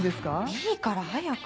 いいから早く。